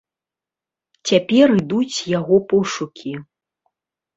Цяпер ідуць яго пошукі.